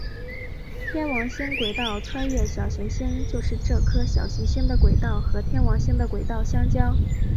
天王星轨道穿越小行星就是这颗小行星的轨道和天王星的轨道相交。